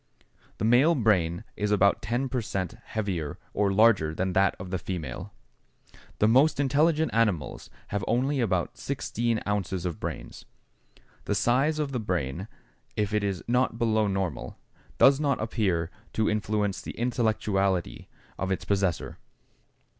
The male brain is about ten per cent. heavier or larger than that of the female. The most intelligent animals have only about 16 ounces of brains. The size of the brain, if it is not below normal, does not appear to influence the intellectuality of its possessor.